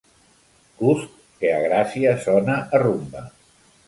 Gust que a Gràcia sona a rumba.